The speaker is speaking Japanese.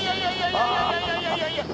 いやいやいやいやいやいや！